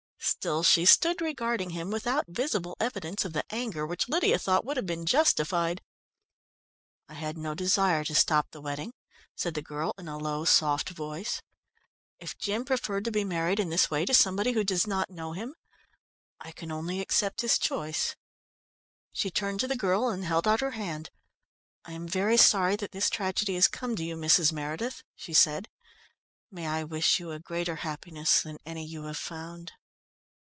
Still she stood regarding him without visible evidence of the anger which Lydia thought would have been justified. "I had no desire to stop the wedding," said the girl, in a low, soft voice. "If Jim preferred to be married in this way to somebody who does not know him, I can only accept his choice." She turned to the girl and held out her hand. "I am very sorry that this tragedy has come to you, Mrs. Meredith," she said. "May I wish you a greater happiness than any you have found?"